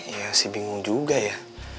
ya sih bingung juga ya